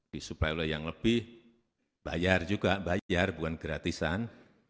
di supply oleh yang lebih bayar juga bayar bukan gratisan